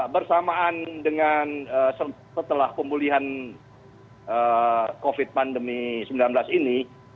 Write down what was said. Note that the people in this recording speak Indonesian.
bersamaan dengan setelah pemulihan covid sembilan belas ini